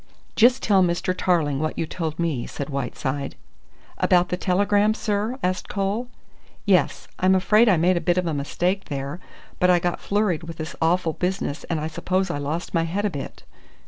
"Just tell Mr. Tarling what you told me," said Whiteside. "About that telegram, sir?" asked Cole. "Yes, I'm afraid I made a bit of a mistake there, but I got flurried with this awful business and I suppose I lost my head a bit."